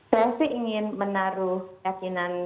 saya sih ingin menaruh yakinan